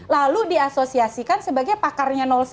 lalu diasosiasikan sebagai pakarnya satu